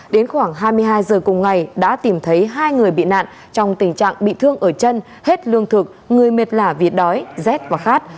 đến khoảng hai mươi hai giờ cùng ngày đã tìm thấy hai người bị nạn trong tình trạng bị thương ở chân hết lương thực người mệt lả vịt đói rét và khát